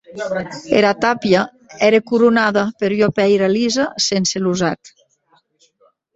Era tàpia ère coronada per ua pèira lisa sense losat.